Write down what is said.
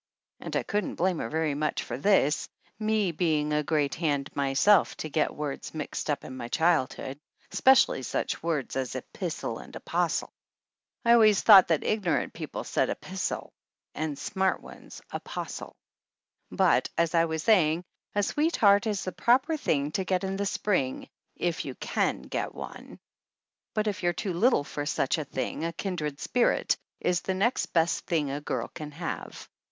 And I couldn't blame her very much for this, me being a great hand myself to get words 165 THE ANNALS OF ANN mixed up in my childhood, especially such words as epistle and apostle. I always thought that ignorant people said "epistle" and smart ones "apostle." But as I was saying, a sweetheart is the proper thing to get in the spring if you can get one ; but if you're too little for such a thing a kindred spirit is the next best thing a girl can have.